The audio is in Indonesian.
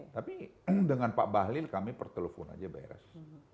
tapi dengan pak bahlil kami pertelepon aja bayres